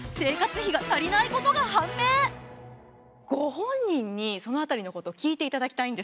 ご本人にその辺りのこと聞いていただきたいんです。